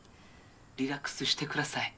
リラックスしてください。